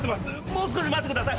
もう少し待ってください。